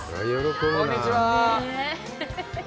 こんにちはー！